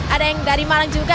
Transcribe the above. ada yang dari malang juga